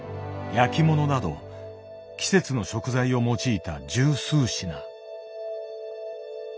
焼き物など季節の食材を用いた十数品。